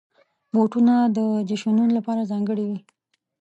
بوټونه د جشنونو لپاره ځانګړي وي.